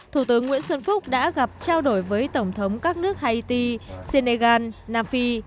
thủ tướng nguyễn xuân phúc đã gặp trao đổi với tổng thống các nước haiti senegal nam phi